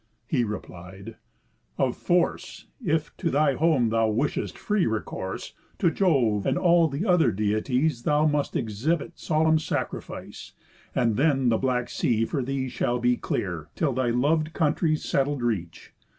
He replied: 'Of force, If to thy home thou wishest free recourse, To Jove, and all the other Deities, Thou must exhibit solemn sacrifice; And then the black sea for thee shall be clear, Till thy lov'd country's settled reach.